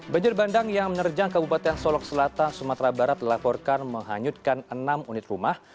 banjir bandang yang menerjang kabupaten solok selatan sumatera barat dilaporkan menghanyutkan enam unit rumah